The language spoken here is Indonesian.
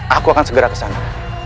aku akan segera ke sana